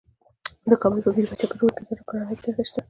د کابل په میربچه کوټ کې د ګرانیټ نښې شته.